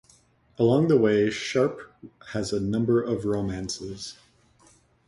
Along the way, Sharpe has a number of romances.